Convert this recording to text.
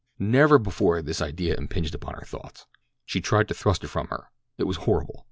Never before had this idea impinged upon her thoughts. She tried to thrust it from her. It was horrible.